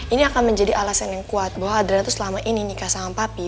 ini akan menjadi alasan yang kuat bahwa adrian itu selama ini nikah sama papi